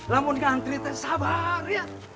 lamunkan antri sabar